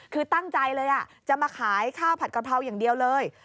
คือตั้งใจเลยจะมาขายข้าวผัดกะเพราอย่างเดียวเลย